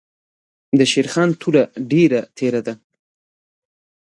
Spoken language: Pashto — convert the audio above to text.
دشېرخان توره ډېره تېره ده.